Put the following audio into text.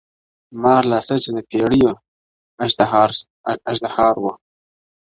مار لا څه چي د پېړیو اژدهار وو،